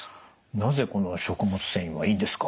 なぜこの食物繊維はいいんですか？